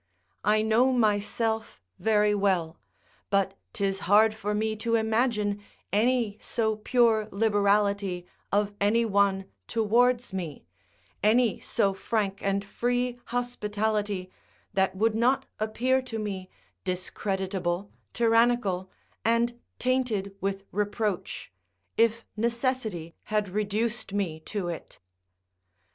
I know myself very well; but 'tis hard for me to imagine any so pure liberality of any one towards me, any so frank and free hospitality, that would not appear to me discreditable, tyrannical, and tainted with reproach, if necessity had reduced me to it.